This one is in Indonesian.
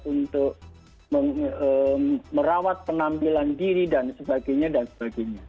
untuk merawat penampilan diri dan sebagainya dan sebagainya